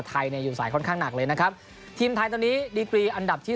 ไทยเนี่ยอยู่สายค่อนข้างหนักเลยนะครับทีมไทยตอนนี้ดีกรีอันดับที่